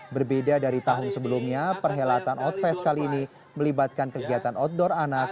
berbeda dari tahun sebelumnya perhelatan outfest kali ini melibatkan kegiatan outdoor anak